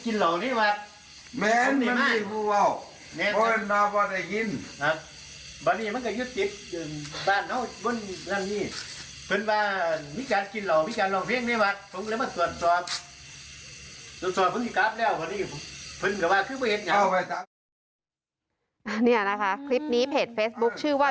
นี่นะคะคลิปนี้เพจเฟซบุ๊คชื่อว่า